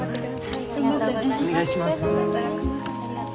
お願いします。